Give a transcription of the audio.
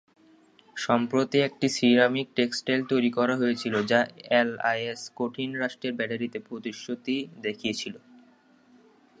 সম্প্রতি, একটি ceramic textile তৈরি করা হয়েছিল যা এলআই-এস কঠিন রাষ্ট্রের ব্যাটারিতে প্রতিশ্রুতি দেখিয়েছিল।